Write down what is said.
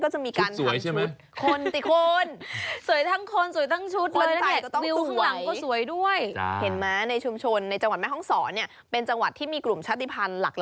ก็จะมีการทำชุดคนติคน